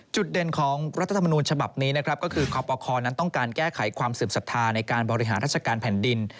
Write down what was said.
เด่นของรัฐธรรมนูญฉบับนี้นะครับก็คือคอปคนั้นต้องการแก้ไขความเสื่อมศรัทธาในการบริหารราชการแผ่นดิน